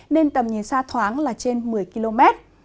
nên tầm nhìn xa thoáng là trên một mươi km